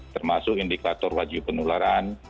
termasuk indikator wajib penularan